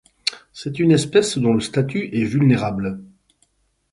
C'est une espèce dont le statut est vulnérable.